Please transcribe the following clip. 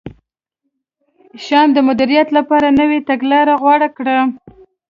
شیام د مدیریت لپاره نوې تګلاره غوره کړه.